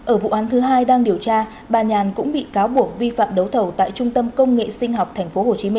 ở vụ án thứ hai đang điều tra bà nhàn cũng bị cáo buộc vi phạm đấu thầu tại trung tâm công nghệ sinh học tp hcm